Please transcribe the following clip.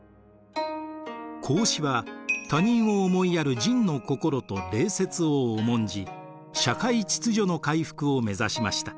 孔子は他人を思いやる仁の心と礼節を重んじ社会秩序の回復を目指しました。